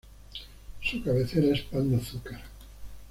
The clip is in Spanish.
Su cabecera es Pan de Azúcar.